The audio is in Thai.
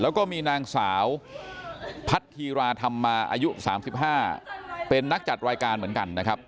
แล้วก็มีนางสาวพัทธีราธรรมาอายุ๓๕เป็นนักจัดรายการเหมือนกันนะครับ